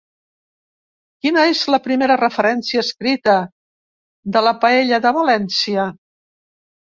Quina és la primera referència escrita de la ‘paella de València’?